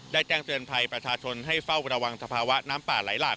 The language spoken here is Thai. แจ้งเตือนภัยประชาชนให้เฝ้าระวังสภาวะน้ำป่าไหลหลาก